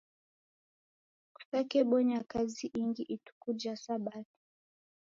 Kusakebonya kazi ingi ituku ja sabato.